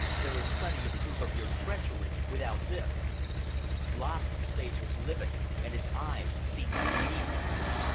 There is plenty of proof of your treachery without this." Lassen's face was livid and his eyes seemed like beads.